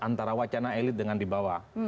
antara wacana elit dengan di bawah